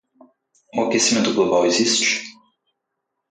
O aquecimento global existe?